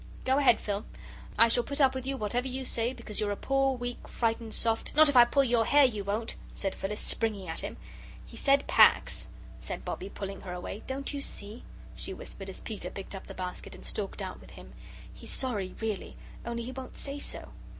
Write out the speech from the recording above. Go ahead, Phil I shall put up with you whatever you say because you're a poor, weak, frightened, soft " "Not if I pull your hair you won't," said Phyllis, springing at him. "He said 'Pax,'" said Bobbie, pulling her away. "Don't you see," she whispered as Peter picked up the basket and stalked out with it, "he's sorry, really, only he won't say so?